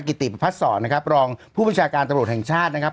กิติประพัฒนศรนะครับรองผู้บัญชาการตำรวจแห่งชาตินะครับ